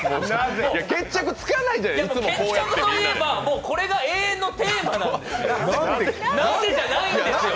決着といえば、これが永遠のテーマなんですよ。